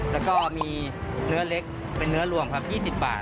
แล้วก็มีเนื้อเล็กเป็นเนื้อรวมครับ๒๐บาท